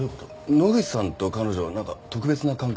野口さんと彼女はなんか特別な関係だったとか？